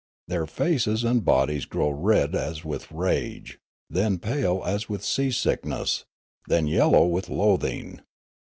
Their faces and bodies grow red as with rage, then pale as with sea sickness, then yellow with loathing.